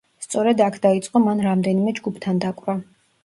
სწორედ იქ დაიწყო მან რამდენიმე ჯგუფთან დაკვრა.